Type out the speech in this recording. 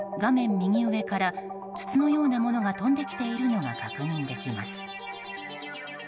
右上から筒のようなものが飛んできているのが確認できます。